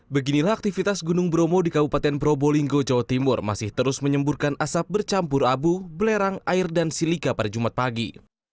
beginilah aktivitas gunung bromo di kabupaten probolinggo jawa timur masih terus menyemburkan asap bercampur abu belerang air dan silika pada jumat pagi